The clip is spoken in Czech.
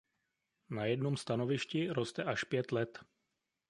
Na jednom stanovišti roste až pět let.